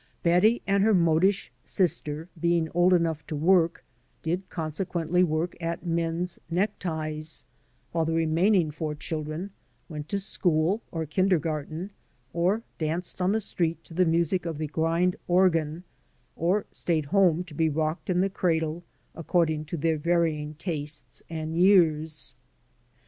Betty and her modish sister, being old enough to work, did consequently work at men's neckties, while the remainmg four children went to school or kindergarten, or danced on the street to the music of the grind organ, or stayed at home to be rocked in the cradle, according to their varying tastes and years.